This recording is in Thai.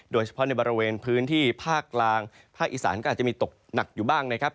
โดยเฉพาะในบริเวณพื้นที่ภาคกลางภาคอีสานก็อาจจะมีตกหนักอยู่บ้างนะครับ